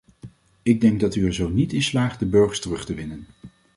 Ik denk dat u er zo niet in slaagt de burgers terug te winnen.